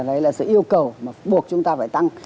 đấy là sự yêu cầu mà buộc chúng ta phải tăng